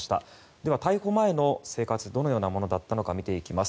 では、逮捕前の生活どのようなものだったのか見ていきます。